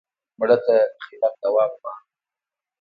مړه ته د خیرات دوام غواړو